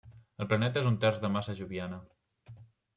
El planeta és un terç de massa joviana.